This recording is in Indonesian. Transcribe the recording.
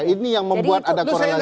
ini yang membuat ada korelasi